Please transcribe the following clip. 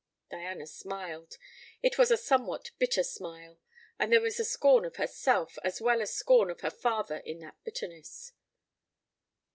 Diana smiled. It was a somewhat bitter smile; and there was scorn of herself, as well as scorn of her father in that bitterness.